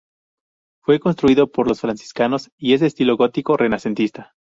Fue construido por los franciscanos y es de estilo gótico-renacentista.